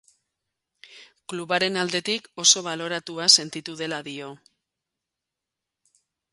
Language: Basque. Klubaren aldetik oso baloratua sentitu dela dio.